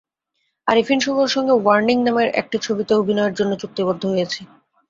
আরিফিন শুভর সঙ্গে ওয়ার্নিং নামের আরেকটি ছবিতে অভিনয়ের জন্য চুক্তিবদ্ধ হয়েছি।